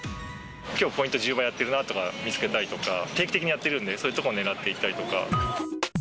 きょうポイント１０倍やってるなとか、見つけたりとか、定期的にやってるんで、そういうところを狙っていったりとか。